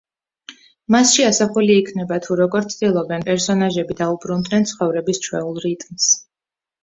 მასში ასახული იქნება, თუ როგორ ცდილობენ პერსონაჟები, დაუბრუნდნენ ცხოვრების ჩვეულ რიტმს.